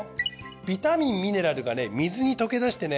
ビタミンミネラルがね水に溶け出してね